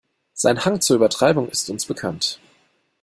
Sein Hang zur Übertreibung ist uns bekannt.